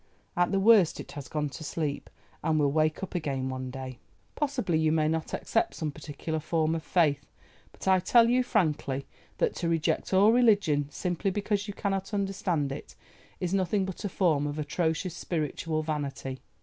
At the worst it has gone to sleep, and will wake up again one day. Possibly you may not accept some particular form of faith, but I tell you frankly that to reject all religion simply because you cannot understand it, is nothing but a form of atrocious spiritual vanity.